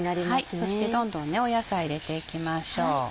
そしてどんどん野菜入れていきましょう。